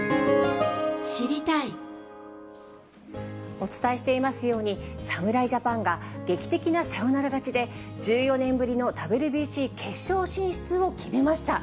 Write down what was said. お伝えしていますように、侍ジャパンが劇的なサヨナラ勝ちで、１４年ぶりのＷＢＣ決勝進出を決めました。